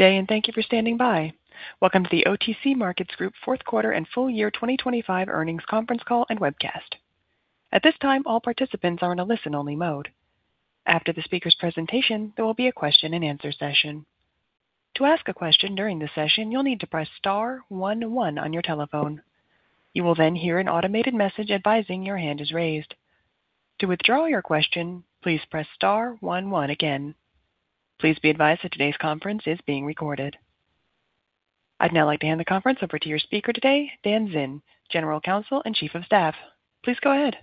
Good day. Thank you for standing by. Welcome to the OTC Markets Group Fourth Quarter and Full Year 2025 Earnings Conference Call and Webcast. At this time, all participants are in a listen-only mode. After the speaker's presentation, there will be a question-and-answer session. To ask a question during the session, you'll need to press star one one on your telephone. You will hear an automated message advising your hand is raised. To withdraw your question, please press star one one again. Please be advised that today's conference is being recorded. I'd now like to hand the conference over to your speaker today, Dan Zinn, General Counsel and Chief of Staff. Please go ahead.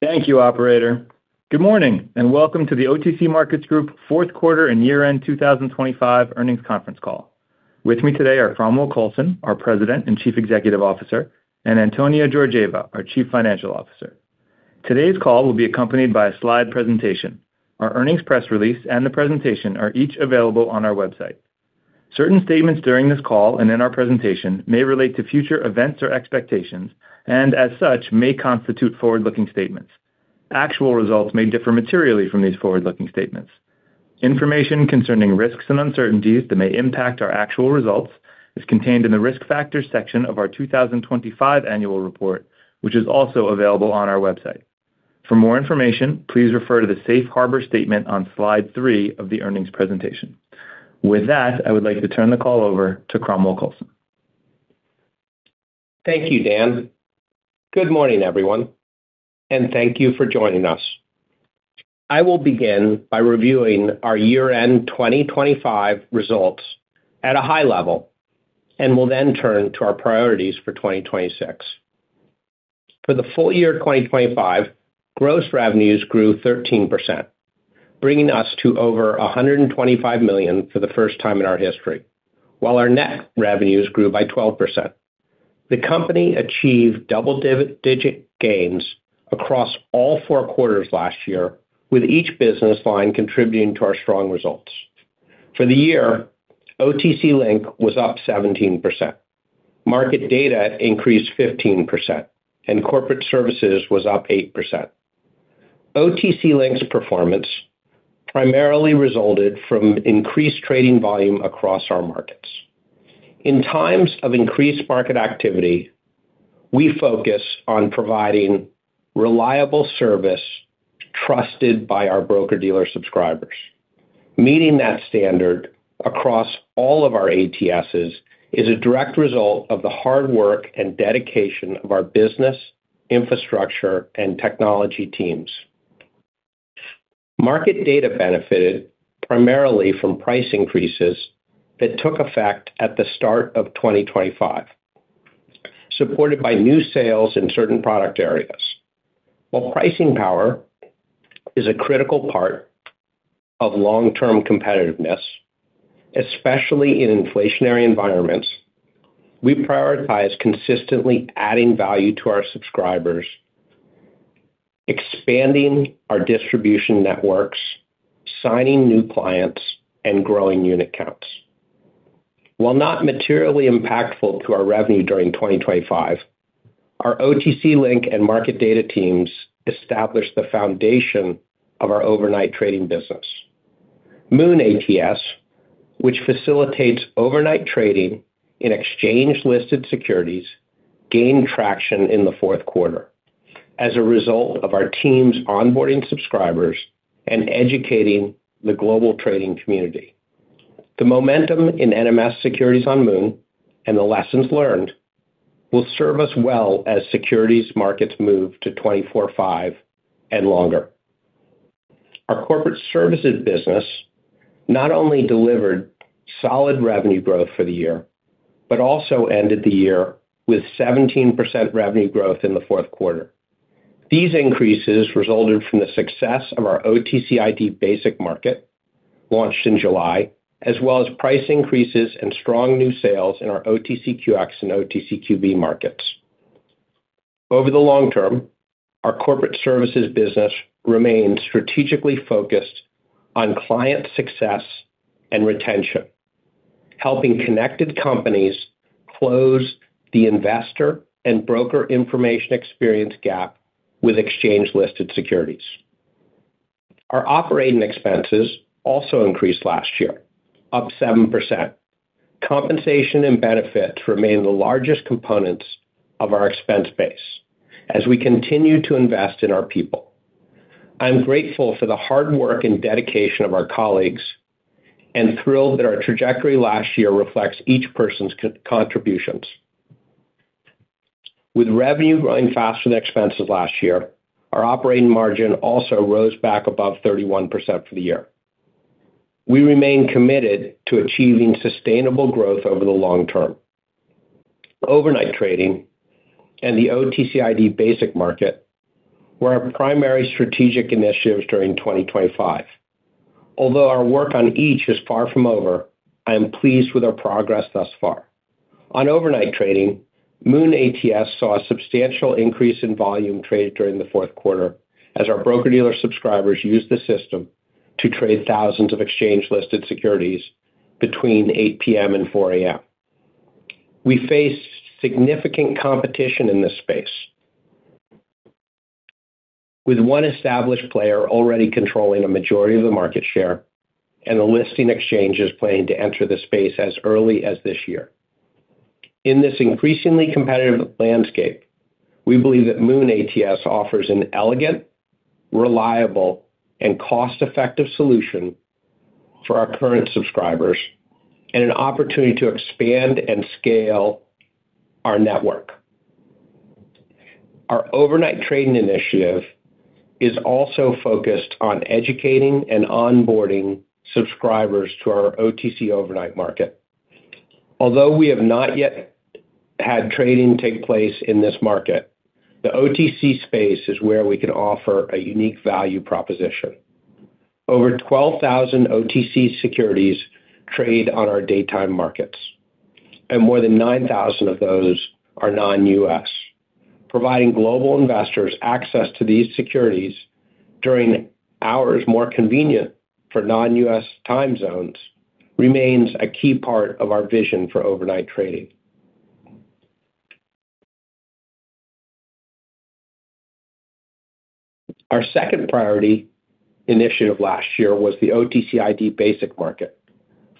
Thank you, operator. Good morning, and welcome to The OTC Markets Group Fourth Quarter and Year-End 2025 Earnings Conference Call. With me today are Cromwell Coulson, our President and Chief Executive Officer, and Antonia Georgieva, our Chief Financial Officer. Today's call will be accompanied by a slide presentation. Our earnings press release and the presentation are each available on our website. Certain statements during this call and in our presentation may relate to future events or expectations and, as such, may constitute forward-looking statements. Actual results may differ materially from these forward-looking statements. Information concerning risks and uncertainties that may impact our actual results is contained in the Risk Factors section of our 2025 annual report, which is also available on our website. For more information, please refer to the safe harbor statement on slide three of the earnings presentation. With that, I would like to turn the call over to Cromwell Coulson. Thank you, Dan. Good morning, everyone, and thank you for joining us. I will begin by reviewing our year-end 2025 results at a high level and will then turn to our priorities for 2026. For the full year 2025, gross revenues grew 13%, bringing us to over $125 million for the first time in our history, while our net revenues grew by 12%. The company achieved double-digit gains across all four quarters last year, with each business line contributing to our strong results. For the year, OTC Link was up 17%. Market data increased 15%, and corporate services was up 8%. OTC Link's performance primarily resulted from increased trading volume across our markets. In times of increased market activity, we focus on providing reliable service trusted by our broker-dealer subscribers. Meeting that standard across all of our ATSs is a direct result of the hard work and dedication of our business, infrastructure, and technology teams. Market data benefited primarily from price increases that took effect at the start of 2025, supported by new sales in certain product areas. While pricing power is a critical part of long-term competitiveness, especially in inflationary environments, we prioritize consistently adding value to our subscribers, expanding our distribution networks, signing new clients, and growing unit counts. While not materially impactful to our revenue during 2025, our OTC Link and market data teams established the foundation of our overnight trading business. MOON ATS, which facilitates overnight trading in exchange-listed securities, gained traction in the fourth quarter as a result of our team's onboarding subscribers and educating the global trading community. The momentum in NMS securities on Moon and the lessons learned will serve us well as securities markets move to 24/5 and longer. Our corporate services business not only delivered solid revenue growth for the year, also ended the year with 17% revenue growth in the fourth quarter. These increases resulted from the success of our OTCID basic market, launched in July, as well as price increases and strong new sales in our OTCQX and OTCQB markets. Over the long term, our corporate services business remains strategically focused on client success and retention, helping connected companies close the investor and broker information experience gap with exchange-listed securities. Our operating expenses also increased last year, up 7%. Compensation and benefits remain the largest components of our expense base as we continue to invest in our people. I'm grateful for the hard work and dedication of our colleagues and thrilled that our trajectory last year reflects each person's contributions. With revenue growing faster than expenses last year, our operating margin also rose back above 31% for the year. We remain committed to achieving sustainable growth over the long term. Overnight trading and the OTCID basic market were our primary strategic initiatives during 2025. Although our work on each is far from over, I am pleased with our progress thus far. On overnight trading, MOON ATS saw a substantial increase in volume traded during the fourth quarter as our broker-dealer subscribers used the system to trade thousands of exchange-listed securities between 8:00 P.M. and 4:00 A.M. We face significant competition in this space. With one established player already controlling a majority of the market share and the listing exchanges planning to enter the space as early as this year. In this increasingly competitive landscape, we believe that MOON ATS offers an elegant, reliable, and cost-effective solution for our current subscribers and an opportunity to expand and scale our network. Our overnight trading initiative is also focused on educating and onboarding subscribers to our OTC Overnight market. Although we have not yet had trading take place in this market, the OTC space is where we can offer a unique value proposition. Over 12,000 OTC securities trade on our daytime markets, and more than 9,000 of those are non-U.S. Providing global investors access to these securities during hours more convenient for non-U.S. time zones remains a key part of our vision for overnight trading. Our second priority initiative last year was the OTCID basic market.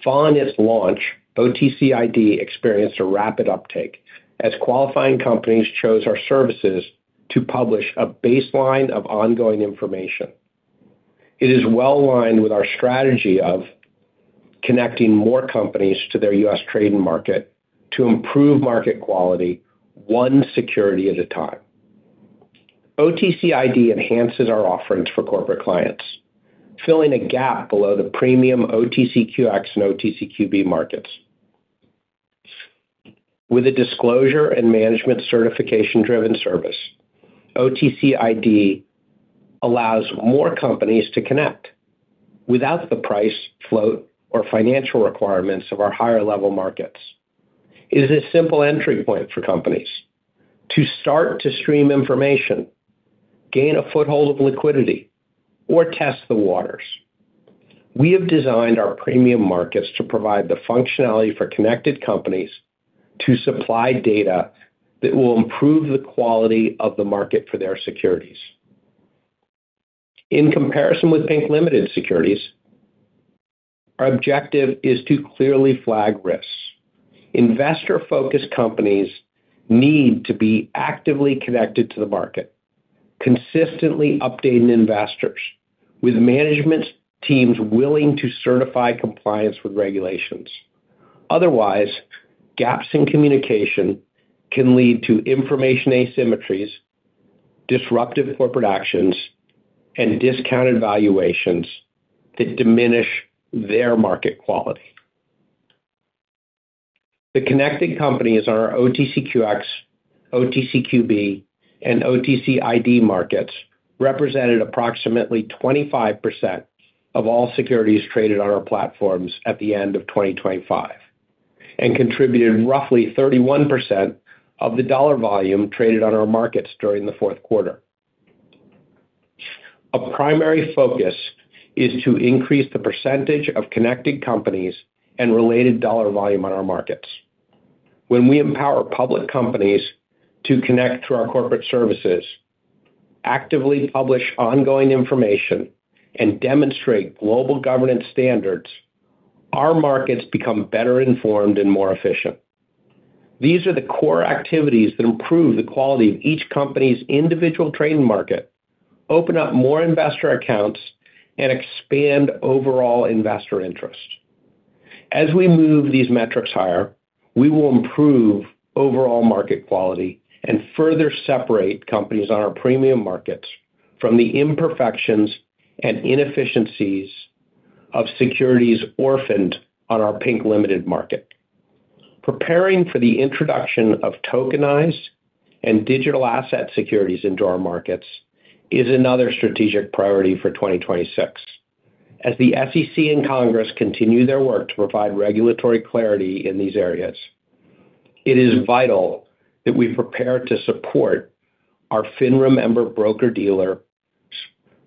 Following its launch, OTCID experienced a rapid uptake as qualifying companies chose our services to publish a baseline of ongoing information. It is well aligned with our strategy of connecting more companies to their U.S. trading market to improve market quality one security at a time. OTCID enhances our offerings for corporate clients, filling a gap below the premium OTCQX and OTCQB markets. With a disclosure and management certification-driven service, OTCID allows more companies to connect without the price, float, or financial requirements of our higher-level markets. It is a simple entry point for companies to start to stream information, gain a foothold of liquidity, or test the waters. We have designed our premium markets to provide the functionality for connected companies to supply data that will improve the quality of the market for their securities. In comparison with Pink Limited Securities, our objective is to clearly flag risks. Investor-focused companies need to be actively connected to the market, consistently updating investors with management teams willing to certify compliance with regulations. Otherwise, gaps in communication can lead to information asymmetries, disruptive corporate actions, and discounted valuations that diminish their market quality. The connecting companies on our OTCQX, OTCQB, and OTCID markets represented approximately 25% of all securities traded on our platforms at the end of 2025 and contributed roughly 31% of the dollar volume traded on our markets during the fourth quarter. A primary focus is to increase the percentage of connecting companies and related dollar volume on our markets. When we empower public companies to connect to our corporate services, actively publish ongoing information, and demonstrate global governance standards, our markets become better informed and more efficient. These are the core activities that improve the quality of each company's individual trading market, open up more investor accounts, and expand overall investor interest. As we move these metrics higher, we will improve overall market quality and further separate companies on our premium markets from the imperfections and inefficiencies of securities orphaned on our Pink Limited market. Preparing for the introduction of tokenized and digital asset securities into our markets is another strategic priority for 2026. As the SEC and Congress continue their work to provide regulatory clarity in these areas, it is vital that we prepare to support our FINRA member broker-dealers,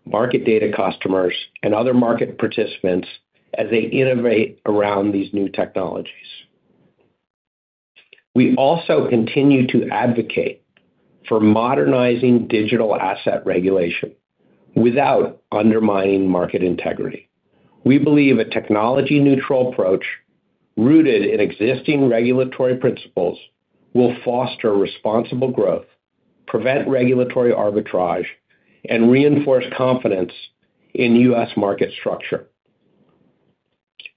market data customers, and other market participants as they innovate around these new technologies. We also continue to advocate for modernizing digital asset regulation without undermining market integrity. We believe a technology-neutral approach rooted in existing regulatory principles will foster responsible growth, prevent regulatory arbitrage, and reinforce confidence in U.S. market structure.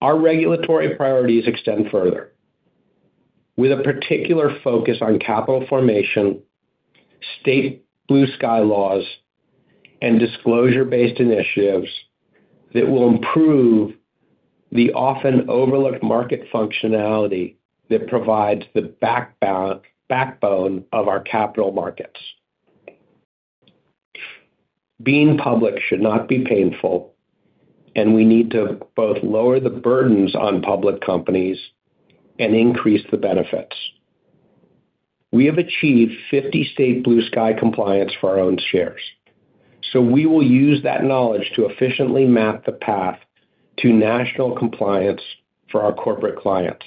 Our regulatory priorities extend further with a particular focus on capital formation, state blue sky laws, and disclosure-based initiatives that will improve the often-overlooked market functionality that provides the backbone of our capital markets. Being public should not be painful, and we need to both lower the burdens on public companies and increase the benefits. We have achieved 50-state blue sky compliance for our own shares, so we will use that knowledge to efficiently map the path to national compliance for our corporate clients.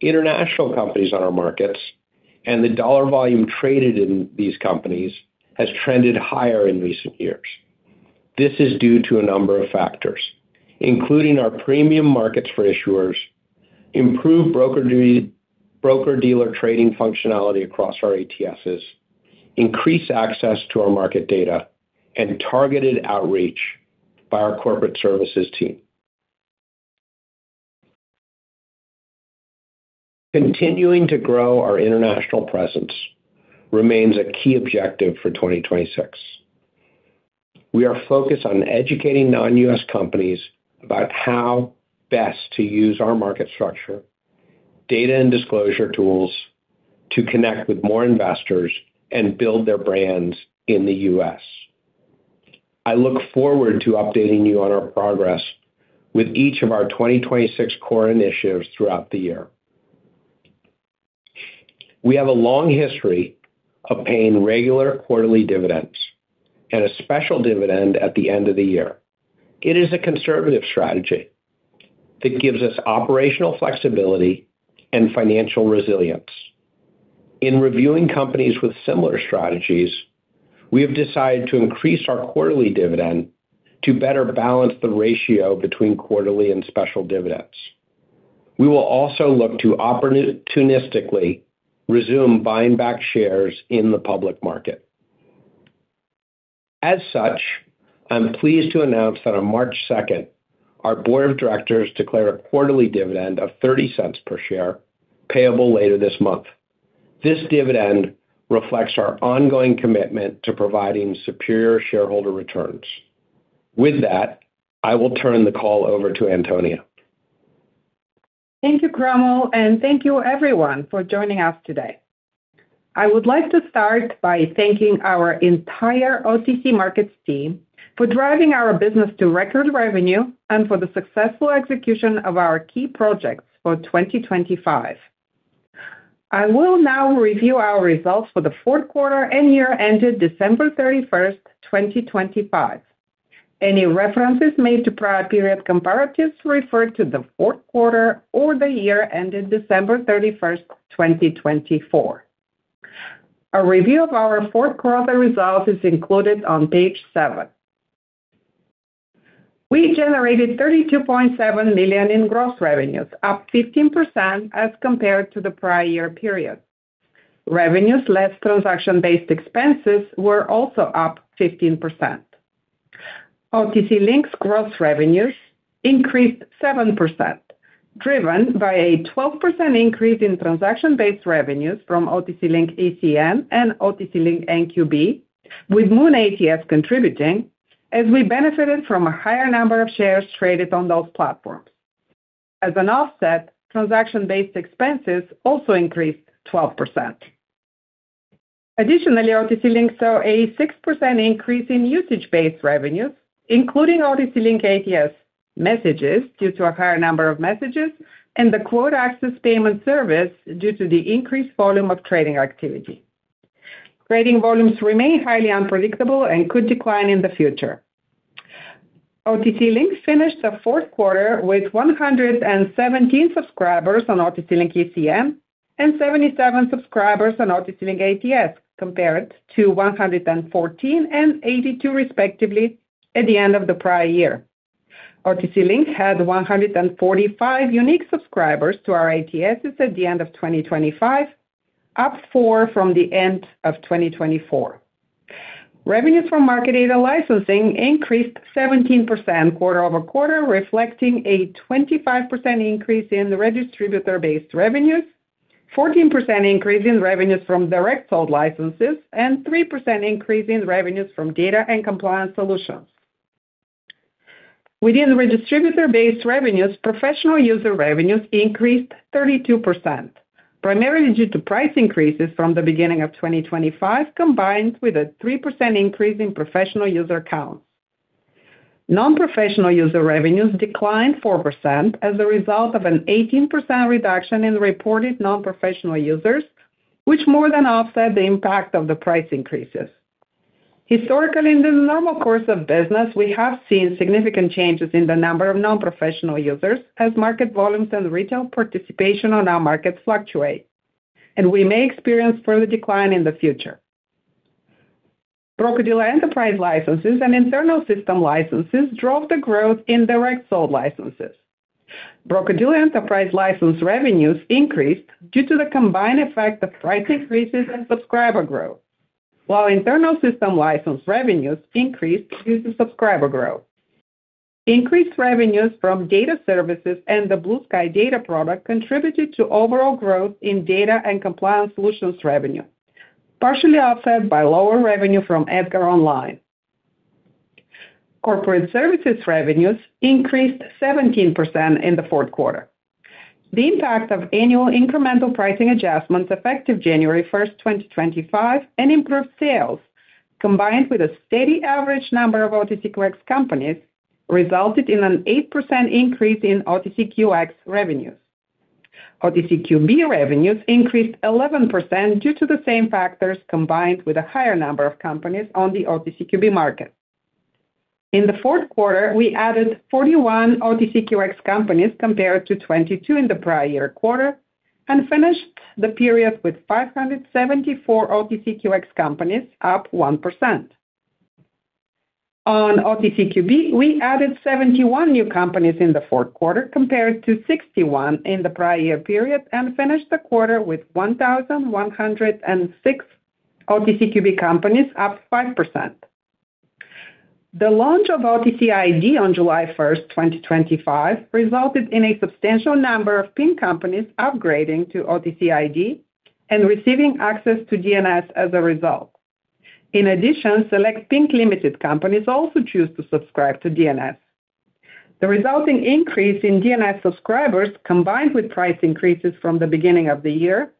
International companies on our markets and the dollar volume traded in these companies has trended higher in recent years. This is due to a number of factors, including our premium markets for issuers, improved broker-dealer trading functionality across our ATSs, increased access to our market data, and targeted outreach by our corporate services team. Continuing to grow our international presence remains a key objective for 2026. We are focused on educating non-U.S. companies about how best to use our market structure, data, and disclosure tools to connect with more investors and build their brands in the U.S. I look forward to updating you on our progress with each of our 2026 core initiatives throughout the year. We have a long history of paying regular quarterly dividends and a special dividend at the end of the year. It is a conservative strategy that gives us operational flexibility and financial resilience. In reviewing companies with similar strategies, we have decided to increase our quarterly dividend to better balance the ratio between quarterly and special dividends. We will also look to opportunistically resume buying back shares in the public market. As such, I'm pleased to announce that on March second, our board of directors declare a quarterly dividend of $0.30 per share payable later this month. This dividend reflects our ongoing commitment to providing superior shareholder returns. With that, I will turn the call over to Antonia. Thank you, Cromwell. Thank you everyone for joining us today. I would like to start by thanking our entire OTC Markets team for driving our business to record revenue and for the successful execution of our key projects for 2025. I will now review our results for the fourth quarter and year ended December 31st, 2025. Any references made to prior period comparatives refer to the fourth quarter or the year ended December 31st, 2024. A review of our fourth quarter results is included on page seven. We generated $32.7 million in gross revenues, up 15% as compared to the prior year period. Revenues less transaction-based expenses were also up 15%. OTC Link's gross revenues increased 7%, driven by a 12% increase in transaction-based revenues from OTC Link ECN and OTC Link NQB, with MOON ATS contributing as we benefited from a higher number of shares traded on those platforms. As an offset, transaction-based expenses also increased 12%. Additionally, OTC Link saw a 6% increase in usage-based revenues, including OTC Link ATS messages due to a higher number of messages and the Quote Access Payment service due to the increased volume of trading activity. Trading volumes remain highly unpredictable and could decline in the future. OTC Link finished the fourth quarter with 117 subscribers on OTC Link ECN and 77 subscribers on OTC Link ATS, compared to 114 and 82, respectively, at the end of the prior year. OTC Link had 145 unique subscribers to our ATSs at the end of 2025, up four from the end of 2024. Revenues from market data licensing increased 17% quarter-over-quarter, reflecting a 25% increase in the distributor-based revenues, 14% increase in revenues from direct sold licenses, and 3% increase in revenues from data and compliance solutions. Within the distributor-based revenues, professional user revenues increased 32%, primarily due to price increases from the beginning of 2025, combined with a 3% increase in professional user counts. Non-professional user revenues declined 4% as a result of an 18% reduction in reported non-professional users, which more than offset the impact of the price increases. Historically, in the normal course of business, we have seen significant changes in the number of non-professional users as market volumes and retail participation on our markets fluctuate, and we may experience further decline in the future. Broker-dealer enterprise licenses and internal system licenses drove the growth in direct sold licenses. Broker-dealer enterprise license revenues increased due to the combined effect of price increases and subscriber growth, while internal system license revenues increased due to subscriber growth. Increased revenues from data services and the Blue Sky Data Product contributed to overall growth in data and compliance solutions revenue, partially offset by lower revenue from EDGAR Online. Corporate services revenues increased 17% in the fourth quarter. The impact of annual incremental pricing adjustments effective January 1st, 2025, and improved sales, combined with a steady average number of OTCQX companies, resulted in an 8% increase in OTCQX revenues. OTCQB revenues increased 11% due to the same factors combined with a higher number of companies on the OTCQB market. In the fourth quarter, we added 41 OTCQX companies compared to 22 in the prior year quarter and finished the period with 574 OTCQX companies, up 1%. On OTCQB, we added 71 new companies in the fourth quarter compared to 61 in the prior year period and finished the quarter with 1,106 OTCQB companies, up 5%. The launch of OTCID on July 1, 2025, resulted in a substantial number of Pink companies upgrading to OTCID and receiving access to DNS as a result. In addition, select Pink Limited companies also choose to subscribe to DNS. The resulting increase in DNS subscribers, combined with price increases from the beginning of the year,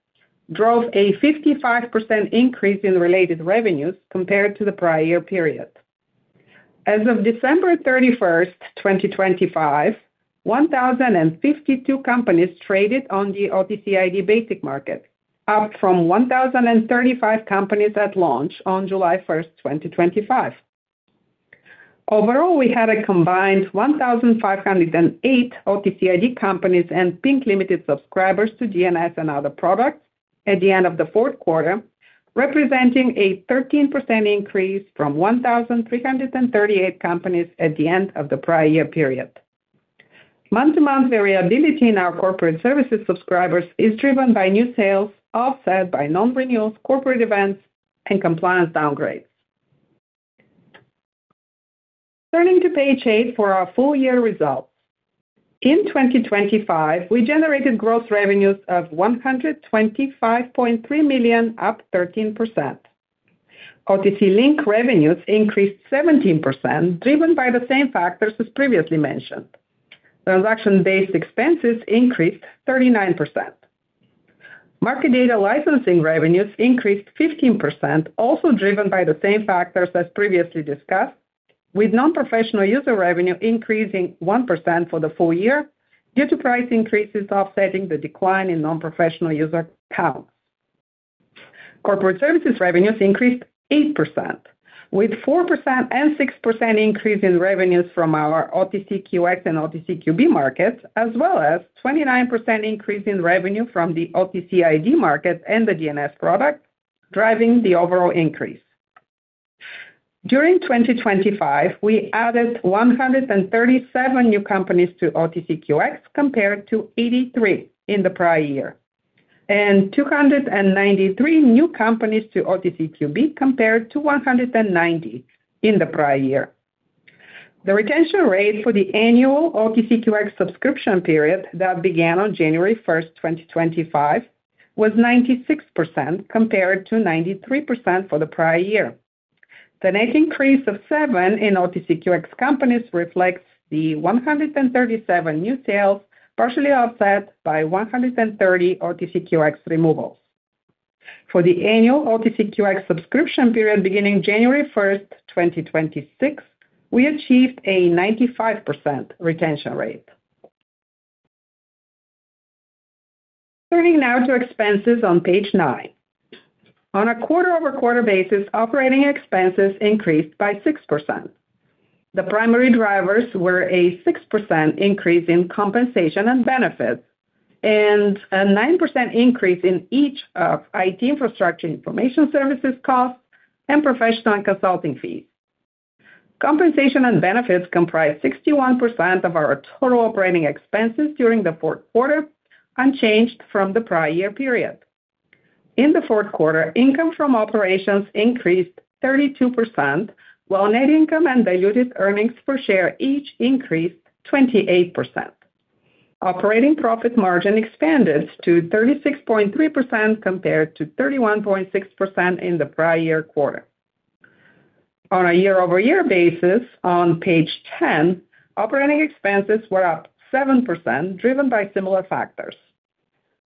drove a 55% increase in related revenues compared to the prior year period. As of December 31, 2025, 1,052 companies traded on the OTCID basic market, up from 1,035 companies at launch on July 1, 2025. Overall, we had a combined 1,508 OTCID companies and Pink Limited subscribers to DNS and other products at the end of the fourth quarter, representing a 13% increase from 1,338 companies at the end of the prior year period. Month-to-month variability in our corporate services subscribers is driven by new sales, offset by non-renewals, corporate events, and compliance downgrades. Turning to page eight for our full year results. In 2025, we generated gross revenues of $125.3 million, up 13%. OTC Link revenues increased 17%, driven by the same factors as previously mentioned. Transaction-based expenses increased 39%. Market data licensing revenues increased 15%, also driven by the same factors as previously discussed, with non-professional user revenue increasing 1% for the full year due to price increases offsetting the decline in non-professional user counts. Corporate services revenues increased 8%, with 4% and 6% increase in revenues from our OTCQX and OTCQB markets, as well as 29% increase in revenue from the OTCID market and the DNS product, driving the overall increase. During 2025, we added 137 new companies to OTCQX compared to 83 in the prior year, and 293 new companies to OTCQB compared to 190 in the prior year. The retention rate for the annual OTCQX subscription period that began on January 1st, 2025, was 96% compared to 93% for the prior year. The net increase of seven in OTCQX companies reflects the 137 new sales, partially offset by 130 OTCQX removals. For the annual OTCQX subscription period beginning January 1st, 2026, we achieved a 95% retention rate. Turning now to expenses on page nine. On a quarter-over-quarter basis, operating expenses increased by 6%. The primary drivers were a 6% increase in compensation and benefits and a 9% increase in each of IT infrastructure information services costs and professional and consulting fees. Compensation and benefits comprised 61% of our total operating expenses during the fourth quarter, unchanged from the prior year period. In the fourth quarter, income from operations increased 32%, while net income and diluted earnings per share each increased 28%. Operating profit margin expanded to 36.3% compared to 31.6% in the prior year quarter. On a year-over-year basis on page 10, operating expenses were up 7%, driven by similar factors.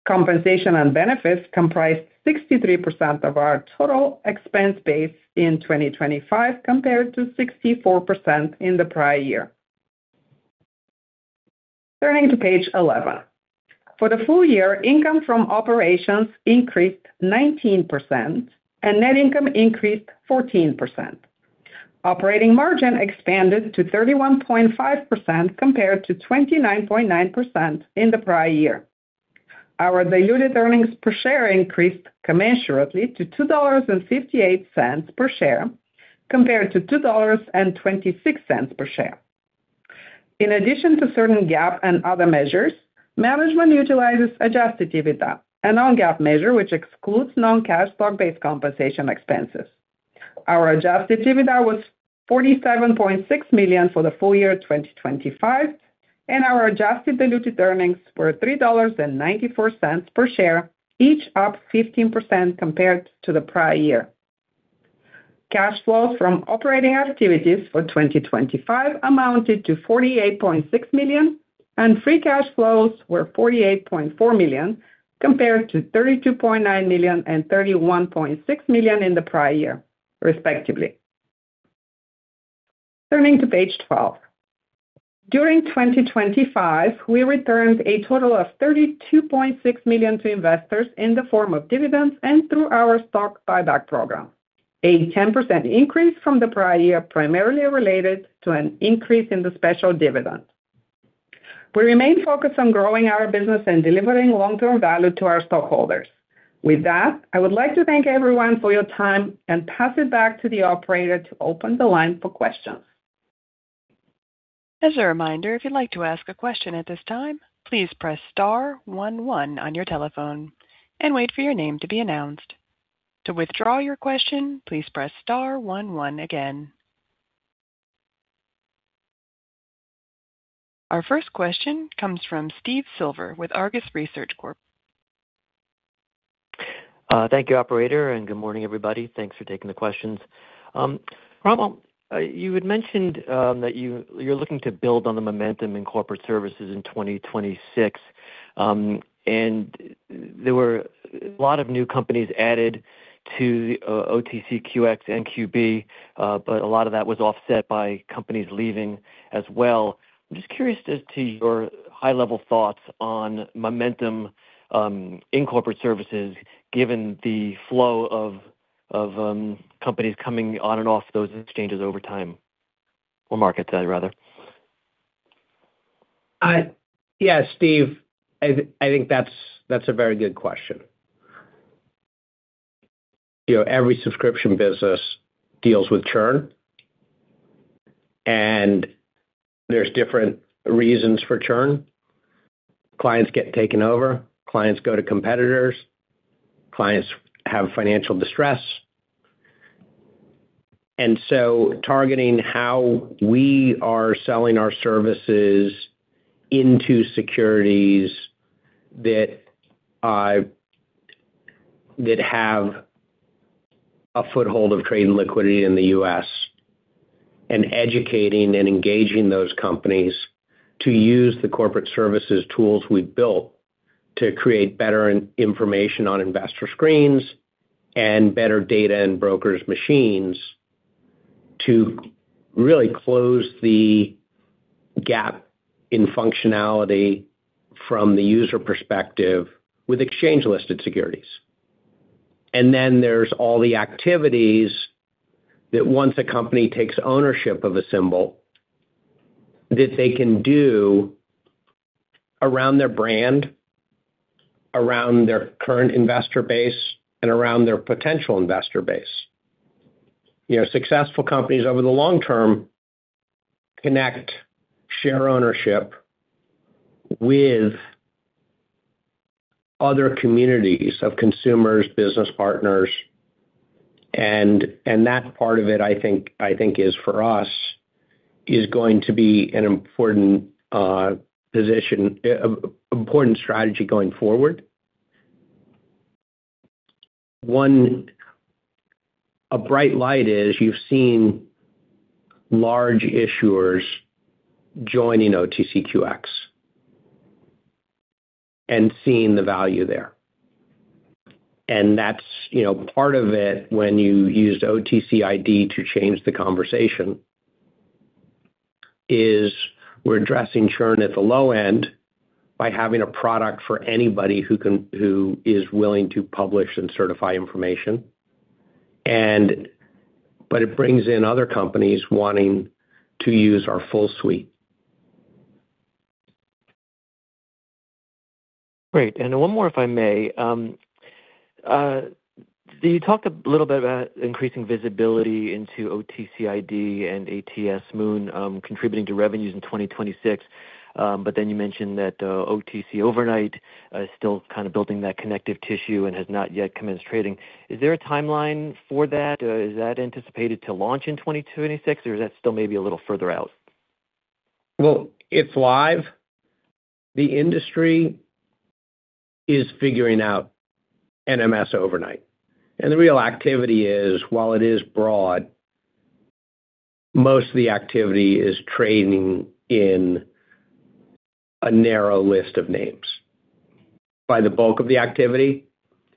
Compensation and benefits comprised 63% of our total expense base in 2025 compared to 64% in the prior year. Turning to page 11. For the full year, income from operations increased 19%, and net income increased 14%. Operating margin expanded to 31.5% compared to 29.9% in the prior year. Our diluted earnings per share increased commensurately to $2.58 per share compared to $2.26 per share. In addition to certain GAAP and other measures, management utilizes adjusted EBITDA, a non-GAAP measure which excludes non-cash stock-based compensation expenses. Our adjusted EBITDA was $47.6 million for the full year of 2025, and our adjusted diluted earnings were $3.94 per share, each up 15% compared to the prior year. Cash flows from operating activities for 2025 amounted to $48.6 million, and free cash flows were $48.4 million compared to $32.9 million and $31.6 million in the prior year, respectively. Turning to page 12. During 2025, we returned a total of $32.6 million to investors in the form of dividends and through our stock buyback program. A 10% increase from the prior year, primarily related to an increase in the special dividend. We remain focused on growing our business and delivering long-term value to our stockholders. With that, I would like to thank everyone for your time and pass it back to the operator to open the line for questions. As a reminder, if you'd like to ask a question at this time, please press star one one on your telephone and wait for your name to be announced. To withdraw your question, please press star one one again. Our first question comes from Steve Silver with Argus Research Corp. Thank you, operator, good morning, everybody. Thanks for taking the questions. Cromwell, you had mentioned that you're looking to build on the momentum in corporate services in 2026. There were a lot of new companies added to OTCQX and OTCQB, but a lot of that was offset by companies leaving as well. I'm just curious as to your high-level thoughts on momentum in corporate services, given the flow of companies coming on and off those exchanges over time, or markets, I'd rather. Yeah, Steve. I think that's a very good question. You know, every subscription business deals with churn, and there's different reasons for churn. Clients get taken over, clients go to competitors, clients have financial distress. Targeting how we are selling our services into securities that have a foothold of trade and liquidity in the U.S. and educating and engaging those companies to use the corporate services tools we've built to create better information on investor screens and better data and brokers machines to really close the gap in functionality from the user perspective with exchange-listed securities. There's all the activities that once a company takes ownership of a symbol that they can do around their brand, around their current investor base, and around their potential investor base. You know, successful companies over the long term connect, share ownership with other communities of consumers, business partners. That part of it, I think is for us, is going to be an important position, important strategy going forward. A bright light is you've seen large issuers joining OTCQX and seeing the value there. That's, you know, part of it when you used OTCID to change the conversation is we're addressing churn at the low end by having a product for anybody who is willing to publish and certify information. It brings in other companies wanting to use our full suite. Great. One more, if I may. You talked a little bit about increasing visibility into OTCID and ATS Moon, contributing to revenues in 2026. You mentioned that OTC Overnight is still kind of building that connective tissue and has not yet commenced trading. Is there a timeline for that? Is that anticipated to launch in 2026 or is that still maybe a little further out? Well, it's live. The industry is figuring out NMS overnight, and the real activity is while it is broad, most of the activity is trading in a narrow list of names by the bulk of the activity,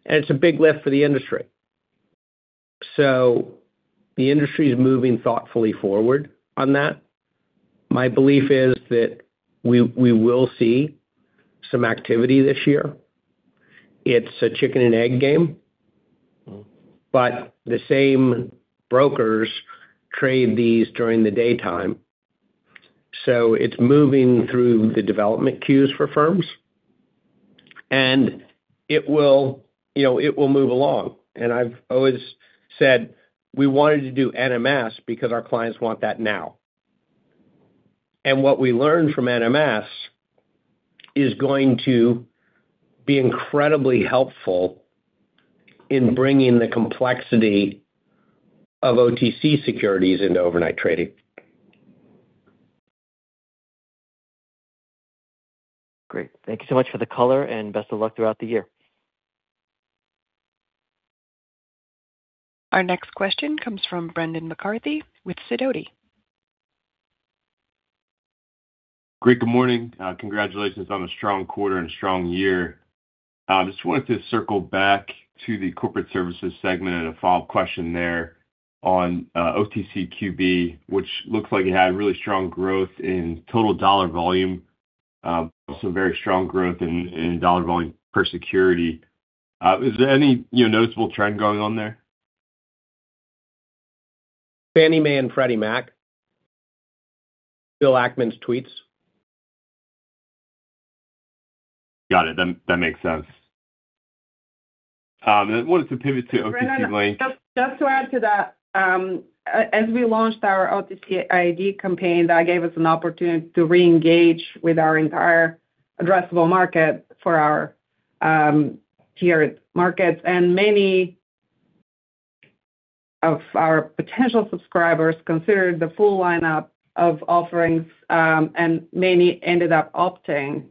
and it's a big lift for the industry. The industry is moving thoughtfully forward on that. My belief is that we will see some activity this year. It's a chicken and egg game. The same brokers trade these during the daytime. It's moving through the development queues for firms and it will, you know, it will move along. I've always said we wanted to do NMS because our clients want that now. What we learned from NMS is going to be incredibly helpful in bringing the complexity of OTC securities into overnight trading. Great. Thank you so much for the color and best of luck throughout the year. Our next question comes from Brendan McCarthy with Sidoti. Great, good morning. Congratulations on a strong quarter and a strong year. I just wanted to circle back to the corporate services segment and a follow-up question there on OTCQB, which looks like it had really strong growth in total dollar volume, some very strong growth in dollar volume per security. Is there any, you know, noticeable trend going on there? Fannie Mae and Freddie Mac. Bill Ackman's tweets. Got it. That makes sense. I wanted to pivot to OTC Link. Just to add to that. As we launched our OTCID campaign, that gave us an opportunity to reengage with our entire addressable market for our tier markets. Many of our potential subscribers considered the full lineup of offerings, and many ended up opting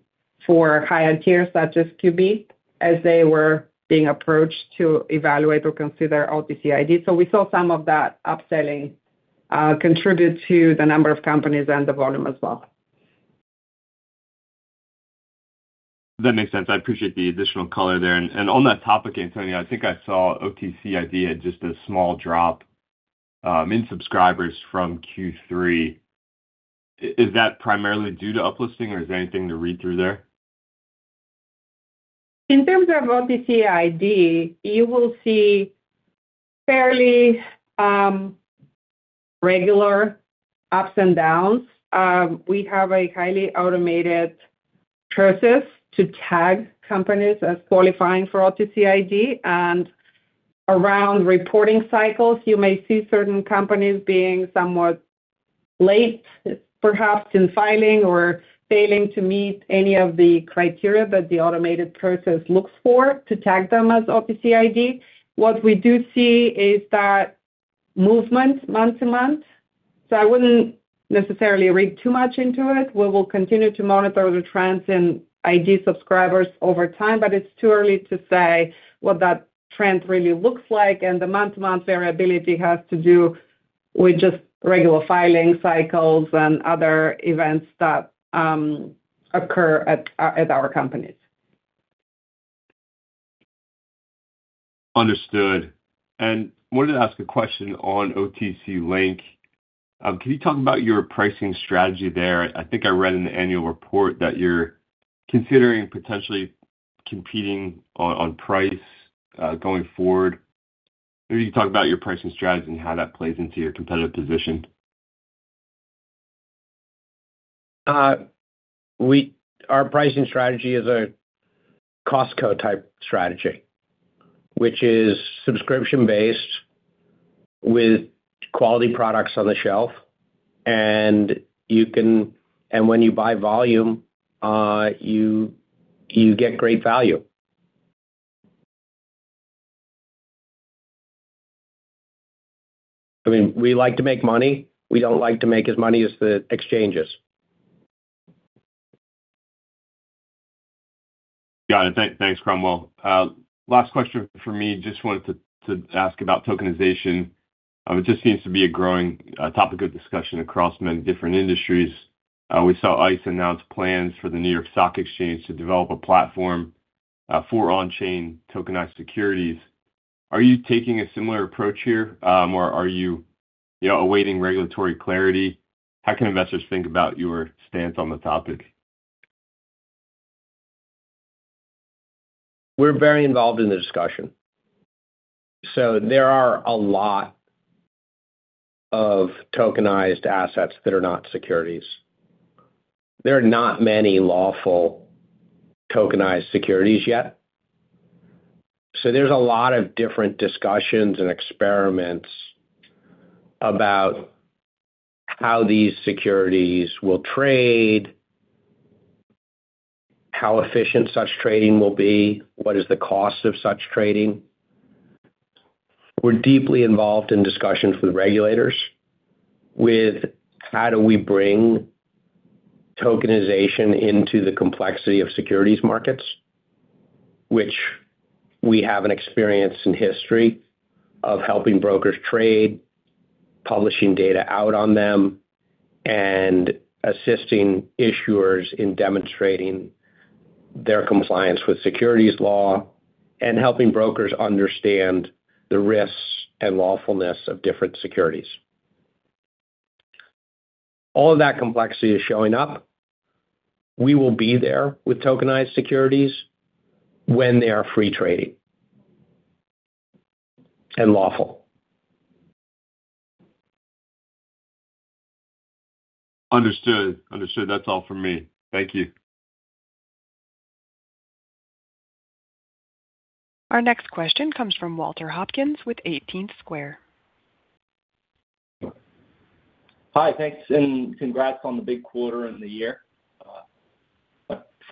for higher tiers such as QB as they were being approached to evaluate or consider OTCID. We saw some of that upselling contribute to the number of companies and the volume as well. That makes sense. I appreciate the additional color there. On that topic, Antonia, I think I saw OTCID had just a small drop in subscribers from Q3. Is that primarily due to up-listing or is there anything to read through there? In terms of OTCID, you will see fairly regular ups and downs. We have a highly automated process to tag companies as qualifying for OTCID. Around reporting cycles, you may see certain companies being somewhat late, perhaps in filing or failing to meet any of the criteria that the automated process looks for to tag them as OTCID. What we do see is that movement month-to-month. I wouldn't necessarily read too much into it. We will continue to monitor the trends in ID subscribers over time, but it's too early to say what that trend really looks like. The month-to-month variability has to do with just regular filing cycles and other events that occur at our companies. Understood. Wanted to ask a question on OTC Link. Can you talk about your pricing strategy there? I think I read in the annual report that you're considering potentially competing on price going forward. Maybe you can talk about your pricing strategy and how that plays into your competitive position. Our pricing strategy is a Costco-type strategy, which is subscription-based with quality products on the shelf. When you buy volume, you get great value. I mean, we like to make money. We don't like to make as money as the exchanges. Got it. Thanks, Cromwell. Last question from me, just wanted to ask about tokenization. It just seems to be a growing topic of discussion across many different industries. We saw ICE announce plans for the New York Stock Exchange to develop a platform for on-chain tokenized securities. Are you taking a similar approach here, or are you know, awaiting regulatory clarity? How can investors think about your stance on the topic? We're very involved in the discussion. There are a lot of tokenized assets that are not securities. There are not many lawful tokenized securities yet. There's a lot of different discussions and experiments about how these securities will trade, how efficient such trading will be, what is the cost of such trading. We're deeply involved in discussions with regulators with how do we bring tokenization into the complexity of securities markets. Which we have an experience in history of helping brokers trade, publishing data out on them, and assisting issuers in demonstrating their compliance with securities law, and helping brokers understand the risks and lawfulness of different securities. All of that complexity is showing up. We will be there with tokenized securities when they are free trading and lawful. Understood. Understood. That's all for me. Thank you. Our next question comes from Walter Hopkins with Eighteenth Square. Hi, thanks, congrats on the big quarter and the year.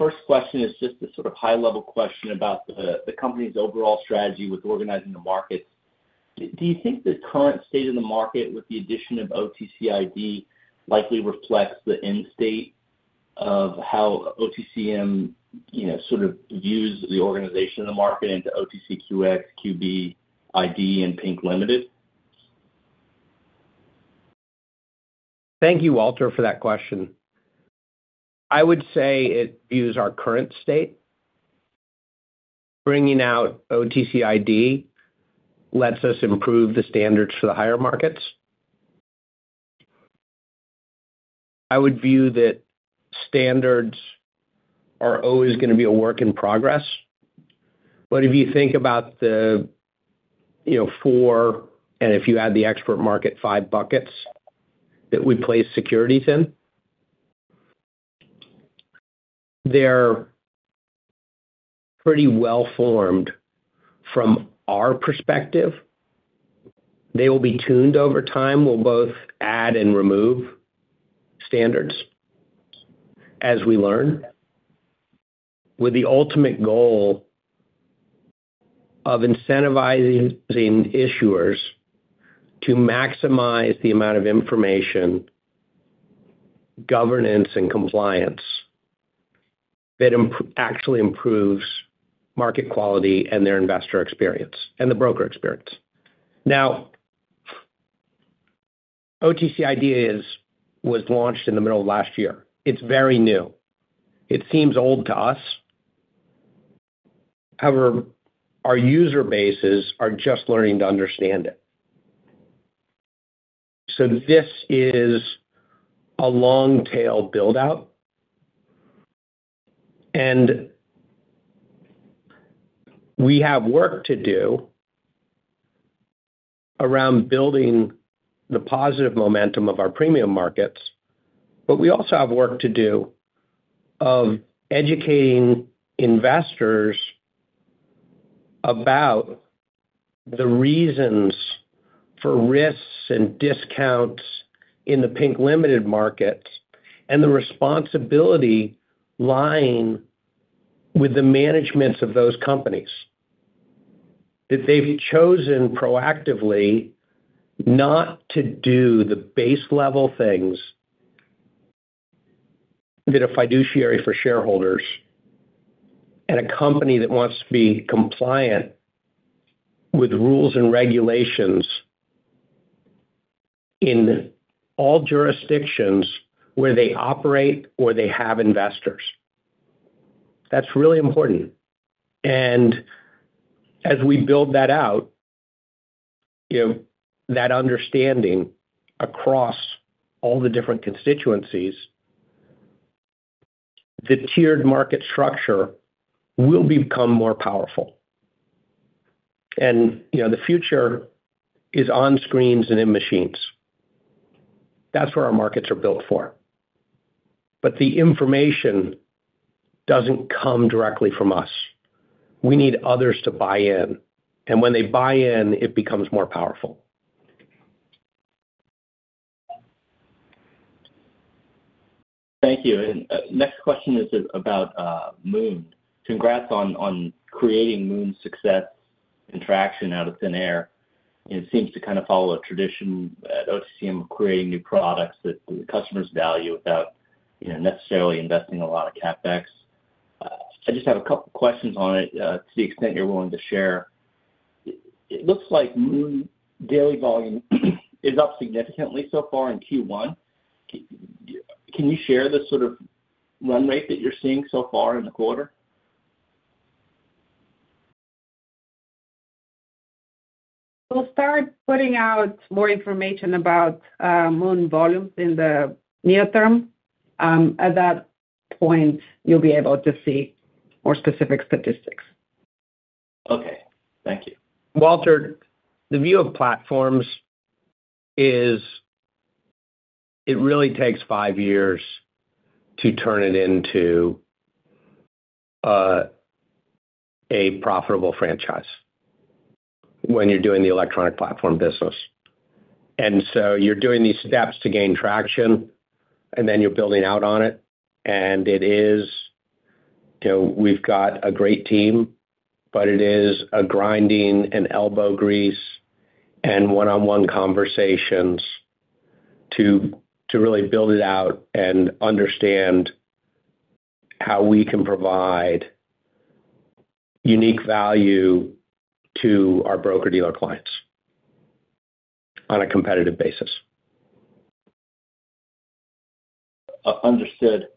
My first question is just a sort of high-level question about the company's overall strategy with organizing the markets. Do you think the current state of the market with the addition of OTCID likely reflects the end state of how OTCM, you know, sort of views the organization of the market into OTCQX, QB, ID, and Pink Limited? Thank you, Walter, for that question. I would say it views our current state. Bringing out OTCID lets us improve the standards for the higher markets. I would view that standards are always going to be a work in progress. If you think about the, you know, four, and if you add the Expert Market, five buckets that we place securities in, they're pretty well-formed from our perspective. They will be tuned over time. We'll both add and remove standards as we learn, with the ultimate goal of incentivizing issuers to maximize the amount of information, governance, and compliance that actually improves market quality and their investor experience and the broker experience. Now, OTCID was launched in the middle of last year. It's very new. It seems old to us. However, our user bases are just learning to understand it. This is a long-tail build-out. We have work to do around building the positive momentum of our premium markets, but we also have work to do of educating investors about the reasons for risks and discounts in the Pink Limited markets and the responsibility lying with the managements of those companies. That they've chosen proactively not to do the base level things that are fiduciary for shareholders and a company that wants to be compliant with rules and regulations in all jurisdictions where they operate or they have investors. That's really important. As we build that out, you know, that understanding across all the different constituencies, the tiered market structure will become more powerful. You know, the future is on screens and in machines. That's where our markets are built for. The information doesn't come directly from us. We need others to buy in. When they buy in, it becomes more powerful. Thank you. Next question is about Moon. Congrats on creating Moon's success and traction out of thin air. It seems to kind of follow a tradition at OTC of creating new products that customers value without, you know, necessarily investing a lot of CapEx. I just have a couple questions on it to the extent you're willing to share. It looks like Moon daily volume is up significantly so far in Q1. Can you share the sort of run rate that you're seeing so far in the quarter? We'll start putting out more information about MOON volume in the near term. At that point, you'll be able to see more specific statistics. Okay. Thank you. Walter, the view of platforms is it really takes five years to turn it into a profitable franchise when you're doing the electronic platform business. You're doing these steps to gain traction, and then you're building out on it. It is. You know, we've got a great team, but it is a grinding and elbow grease and one-on-one conversations to really build it out and understand how we can provide unique value to our broker-dealer clients on a competitive basis. Understood.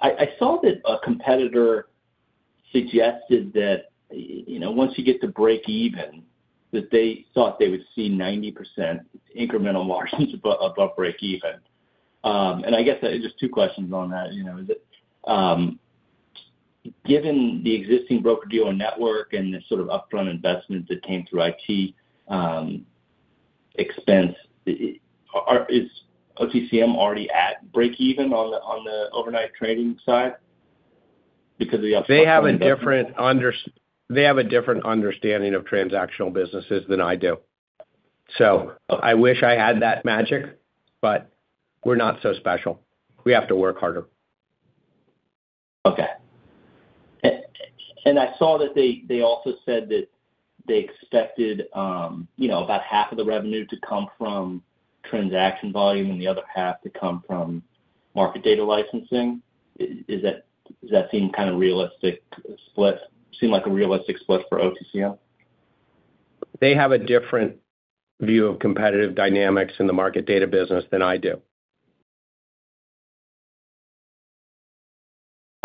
I saw that a competitor suggested that, you know, once you get to breakeven, that they thought they would see 90% incremental margins above breakeven. I guess just two questions on that, you know. Given the existing broker-dealer network and the sort of upfront investment that came through IT expense, is OTCM already at breakeven on the overnight trading side? Because of the They have a different understanding of transactional businesses than I do. I wish I had that magic, but we're not so special. We have to work harder. I saw that they also said that they expected, you know, about half of the revenue to come from transaction volume and the other half to come from market data licensing. Seem like a realistic split for OTCQB? They have a different view of competitive dynamics in the market data business than I do.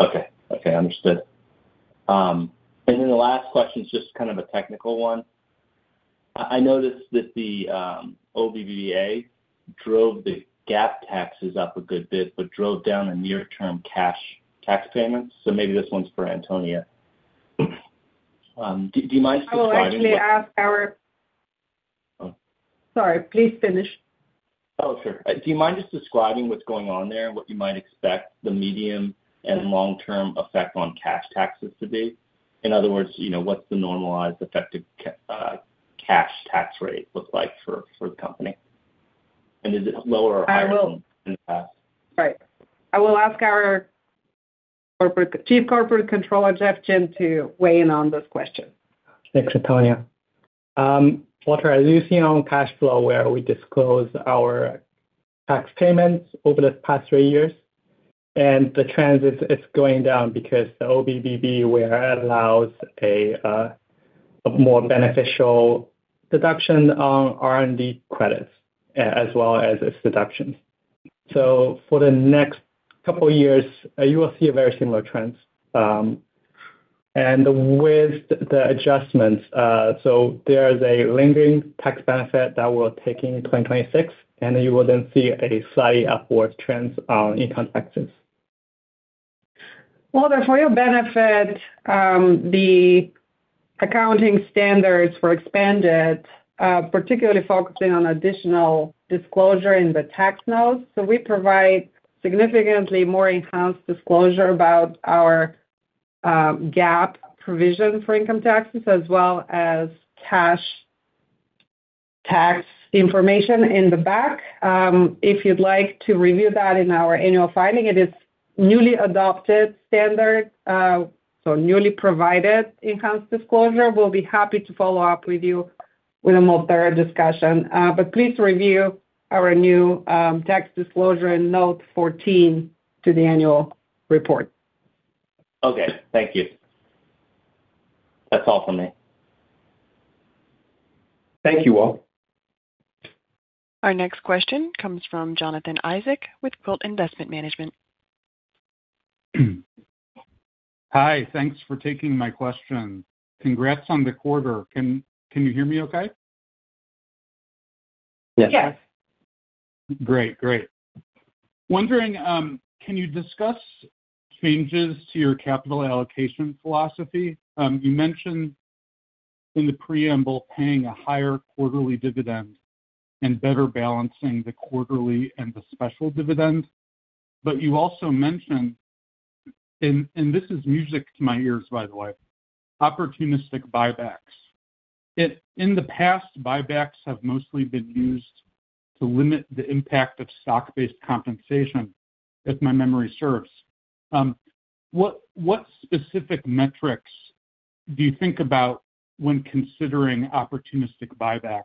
Okay. Okay. Understood. Then the last question is just kind of a technical one. I noticed that the OBVA drove the GAAP taxes up a good bit, but drove down the near term cash tax payments. Maybe this one's for Antonia. Do you mind describing... I will actually ask our Oh. Sorry, please finish. Oh, sure. Do you mind just describing what's going on there, what you might expect the medium and long-term effect on cash taxes to be? In other words, you know, what's the normalized effective cash tax rate look like for the company? Is it lower or higher- I will- than in the past? Right. I will ask our Chief Corporate Controller, Jeff Jin, to weigh in on this question. Thanks, Antonia. Walter, as you see on cash flow, where we disclose our tax payments over the past three years, the trend is going down because the OBBB, where it allows a more beneficial deduction on R&D credits as well as its deductions. For the next couple of years, you will see a very similar trends. With the adjustments, there is a lingering tax benefit that will take in 2026, you will then see a slight upward trends in income taxes. For your benefit, the accounting standards were expanded, particularly focusing on additional disclosure in the tax notes. We provide significantly more enhanced disclosure about our GAAP provision for income taxes as well as cash tax information in the back. If you'd like to review that in our annual filing, it is newly adopted standard, so newly provided enhanced disclosure. We'll be happy to follow up with you with a more thorough discussion. Please review our new tax disclosure in Note 14 to the annual report. Okay. Thank you. That's all for me. Thank you all. Our next question comes from Jonathan Isaac with Quilt Investment Management. Hi. Thanks for taking my question. Congrats on the quarter. Can you hear me okay? Yes. Yes. Great. Great. Wondering, can you discuss changes to your capital allocation philosophy? You mentioned in the preamble paying a higher quarterly dividend and better balancing the quarterly and the special dividend. You also mentioned, and this is music to my ears, by the way, opportunistic buybacks. In the past, buybacks have mostly been used to limit the impact of stock-based compensation, if my memory serves. What, what specific metrics do you think about when considering opportunistic buybacks?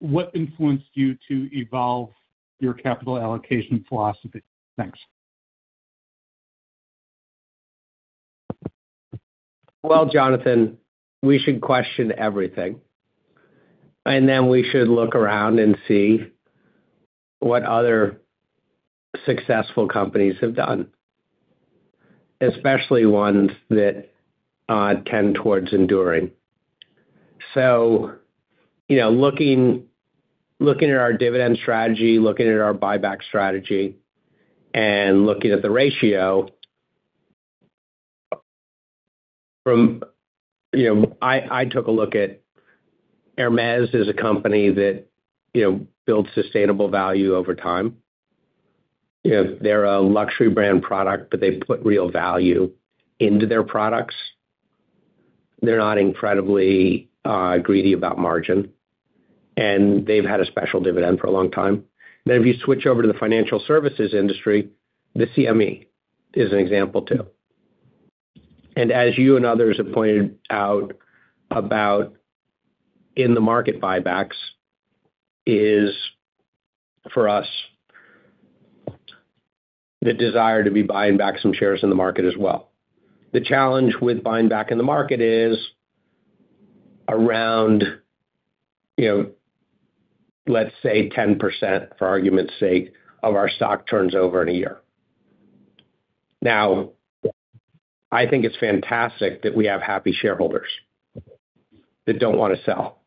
What influenced you to evolve your capital allocation philosophy? Thanks. Jonathan, we should question everything. Then we should look around and see what other successful companies have done, especially ones that tend towards enduring. You know, looking at our dividend strategy, looking at our buyback strategy, and looking at the ratio from. You know, I took a look at Hermès is a company that, you know, builds sustainable value over time. You know, they're a luxury brand product, but they put real value into their products. They're not incredibly greedy about margin, and they've had a special dividend for a long time. If you switch over to the financial services industry, the CME is an example too. As you and others have pointed out about in the market buybacks is for us the desire to be buying back some shares in the market as well. The challenge with buying back in the market is around, you know, let's say 10%, for argument's sake, of our stock turns over in a year. I think it's fantastic that we have happy shareholders that don't want to sell.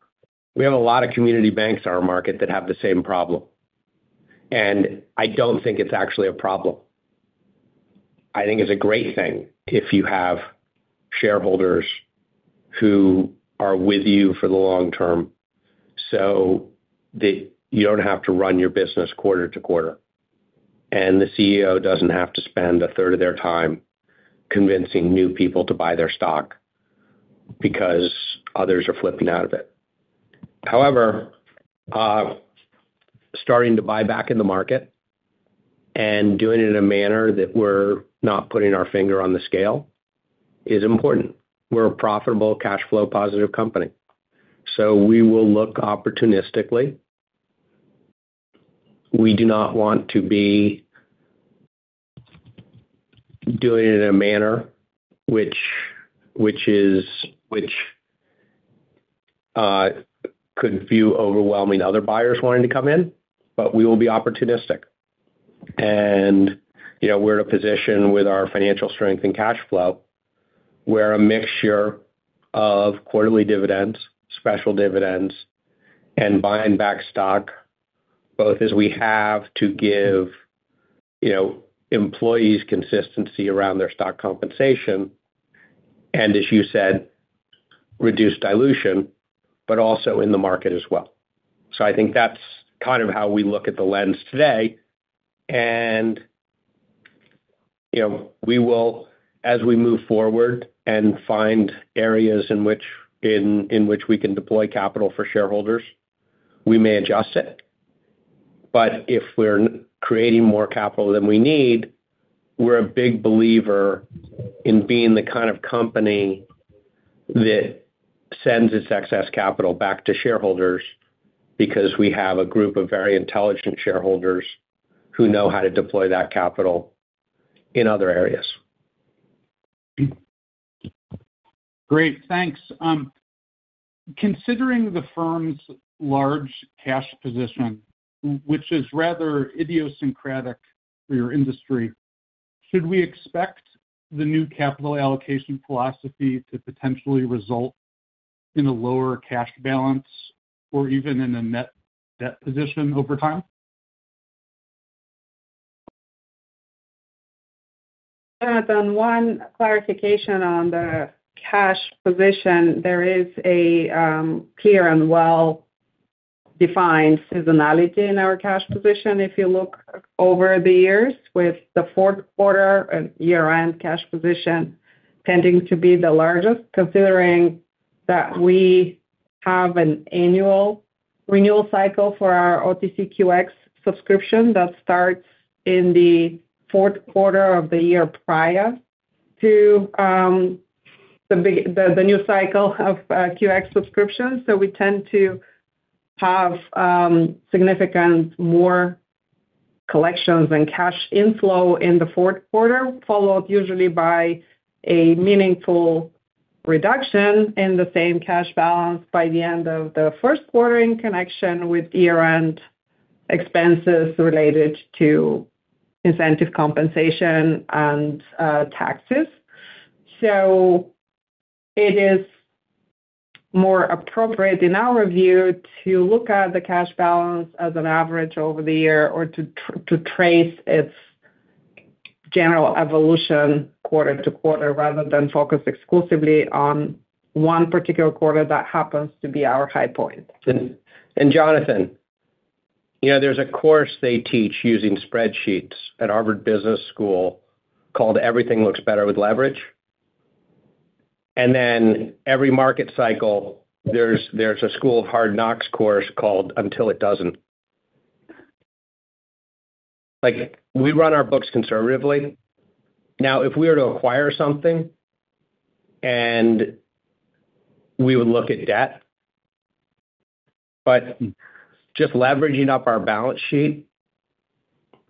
We have a lot of community banks in our market that have the same problem, and I don't think it's actually a problem. I think it's a great thing if you have shareholders who are with you for the long term, so that you don't have to run your business quarter-to-quarter. The CEO doesn't have to spend a third of their time convincing new people to buy their stock because others are flipping out of it. However, starting to buy back in the market and doing it in a manner that we're not putting our finger on the scale is important. We're a profitable cash flow positive company. We will look opportunistically. We do not want to be doing it in a manner which could view overwhelming other buyers wanting to come in, but we will be opportunistic. You know, we're in a position with our financial strength and cash flow, where a mixture of quarterly dividends, special dividends, and buying back stock, both as we have to give, you know, employees consistency around their stock compensation, and as you said, reduce dilution, but also in the market as well. I think that's kind of how we look at the lens today. You know, we will, as we move forward and find areas in which we can deploy capital for shareholders, we may adjust it. If we're creating more capital than we need, we're a big believer in being the kind of company that sends its excess capital back to shareholders because we have a group of very intelligent shareholders who know how to deploy that capital in other areas. Great, thanks. Considering the firm's large cash position, which is rather idiosyncratic for your industry, should we expect the new capital allocation philosophy to potentially result in a lower cash balance or even in a net debt position over time? Jonathan, one clarification on the cash position. There is a clear and well-defined seasonality in our cash position if you look over the years with the fourth quarter and year-end cash position tending to be the largest, considering that we have an annual renewal cycle for our OTCQX subscription that starts in the fourth quarter of the year prior to the new cycle of QX subscriptions. We tend to have significant more collections and cash inflow in the fourth quarter, followed usually by a meaningful reduction in the same cash balance by the end of the first quarter in connection with year-end expenses related to incentive compensation and taxes. It is more appropriate in our view to look at the cash balance as an average over the year or to trace its general evolution quarter-to-quarter, rather than focus exclusively on one particular quarter that happens to be our high point. Jonathan, you know, there's a course they teach using spreadsheets at Harvard Business School called Everything Looks Better with Leverage. Every market cycle, there's a school of hard knocks course called Until It Doesn't. Like, we run our books conservatively. Now, if we were to acquire something and we would look at debt, but just leveraging up our balance sheet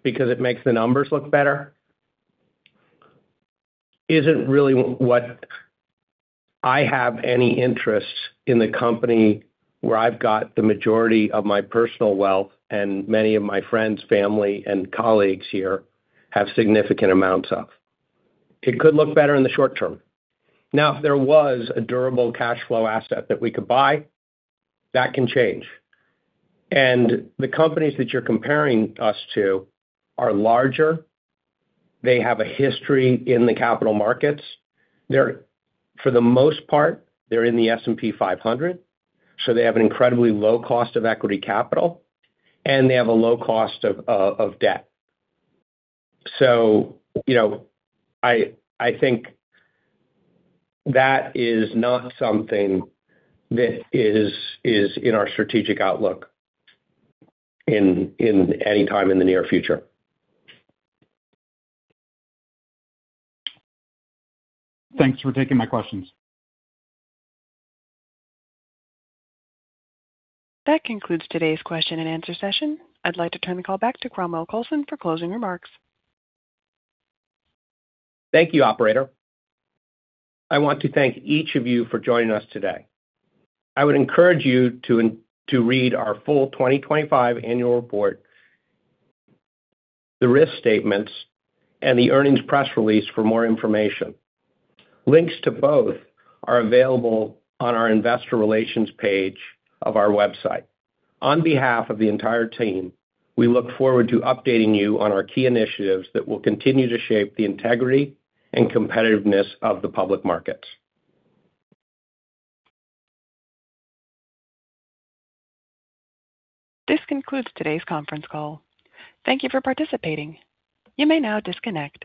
because it makes the numbers look better, isn't really what I have any interest in the company where I've got the majority of my personal wealth and many of my friends, family, and colleagues here have significant amounts of. It could look better in the short term. Now, if there was a durable cash flow asset that we could buy, that can change. The companies that you're comparing us to are larger. They have a history in the capital markets. For the most part, they're in the S&P 500, so they have an incredibly low cost of equity capital, and they have a low cost of debt. you know, I think that is not something that is in our strategic outlook in any time in the near future. Thanks for taking my questions. That concludes today's question and answer session. I'd like to turn the call back to Cromwell Coulson for closing remarks. Thank you, operator. I want to thank each of you for joining us today. I would encourage you to read our full 2025 annual report, the risk statements, and the earnings press release for more information. Links to both are available on our investor relations page of our website. On behalf of the entire team, we look forward to updating you on our key initiatives that will continue to shape the integrity and competitiveness of the public markets. This concludes today's conference call. Thank you for participating. You may now disconnect.